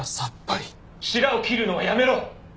「しらを切るのはやめろ！」